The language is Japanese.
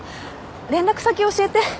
連絡先教えて。